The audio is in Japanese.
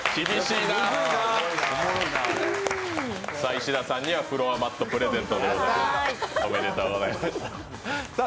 石田さんにはフロアマットプレゼントということで。